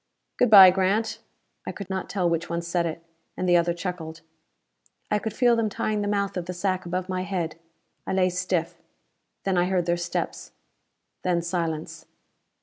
"Good by, Grant." I could not tell which one said it. And the other chuckled. I could feel them tying the mouth of the sack above my head. I lay stiff. Then I heard their steps. Then silence.